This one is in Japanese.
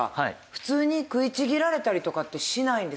普通に食いちぎられたりとかってしないんですか？